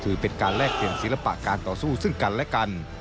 ถือเป็นการแลกเปลี่ยนศิลปะการต่อสู้ซึ่งกันและกัน